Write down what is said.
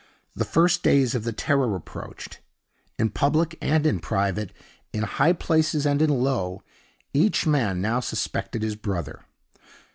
The first days of the Terror approached; in public and in private in high places and in low each man now suspected his brother.